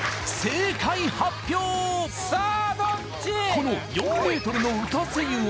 この４ｍの打たせ湯は